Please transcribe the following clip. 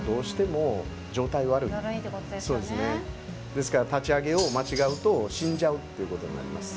ですから立ち上げを間違うと死んじゃうっていうことになります。